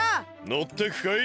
のってくかい？